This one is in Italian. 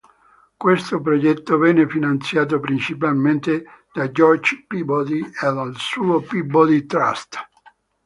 Questo progetto venne finanziato principalmente da George Peabody e dal suo Peabody Trust.